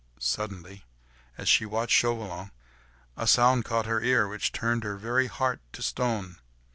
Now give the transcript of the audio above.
Suddenly, as she watched Chauvelin, a sound caught her ear, which turned her very heart to stone.